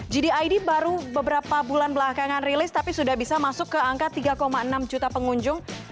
gdid baru beberapa bulan belakangan rilis tapi sudah bisa masuk ke angka tiga enam juta pengunjung